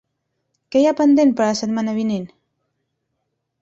Què hi ha pendent per a la setmana vinent?